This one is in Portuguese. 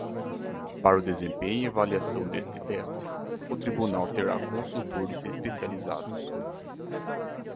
Para o desempenho e avaliação deste teste, o Tribunal terá consultores especializados.